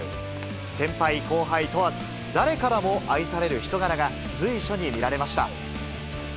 先輩後輩問わず、誰からも愛される人柄が、随所に見られました。